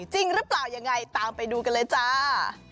จริงหรือเปล่ายังไงตามไปดูกันเลยจ้า